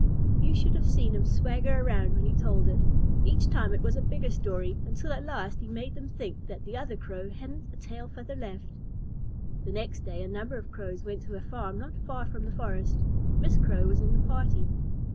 You should have seen him swagger around when he told it. Each time it was a bigger story, until at last he made them think that the other Crow hadn't a tail feather left. The next day, a number of Crows went to a farm not far from the forest. Miss Crow was in the party.